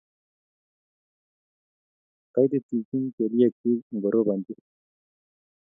Koititinchini kelyeguuk ngorobanji